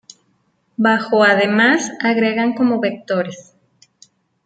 Bajo Además, agregan como vectores.